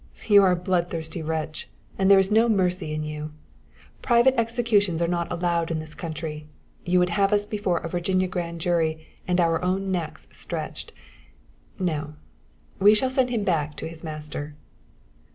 "You are a bloodthirsty wretch, and there is no mercy in you. Private executions are not allowed in this country; you would have us before a Virginia grand jury and our own necks stretched. No; we shall send him back to his master."